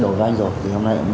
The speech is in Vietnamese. tôi phải tiếp nhận